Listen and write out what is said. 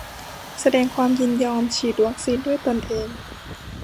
แสดงความยินยอมฉีดวัคซีนด้วยตนเอง